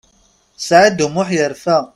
Saɛid U Muḥ yerfa.